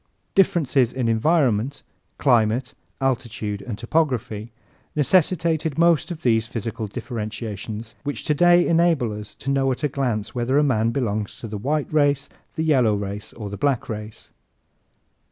Differences in environment climate, altitude and topography necessitated most of these physical differentiations which today enable us to know at a glance whether a man belongs to the white race, the yellow race, or the black race.